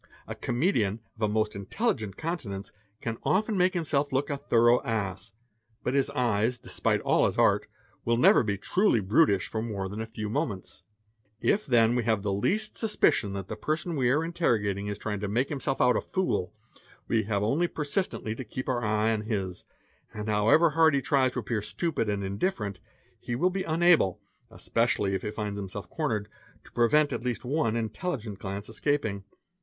A comedian of a most intelligent countenance, can often make himself look a thorough uss, but his eyes, despite all his art, will be never truly brutish for more i 'than a few moments. _ If then we have the least suspicion that the person we are interrogat ¥ ing is trying to make himself out a fool, we have only persistently to keep ' our eye on his, and however hard he tries to appear stupid and indifferent, 'he will be unable, especially if he finds himself cornered, to prevent at least me intelligent glance escaping.